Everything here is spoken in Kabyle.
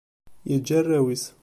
Yeǧǧa arraw-is.